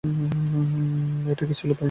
এটা কী ছিল বাইঞ্চোদ?